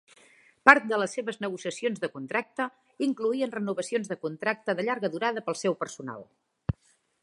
Part de les seves negociacions de contracte incloïen renovacions de contracte de llarga durada pel seu personal.